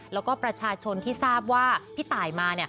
แล้วก็ประชาชนที่ทราบว่าพี่ตายมา